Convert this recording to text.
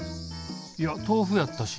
いや豆腐やったし。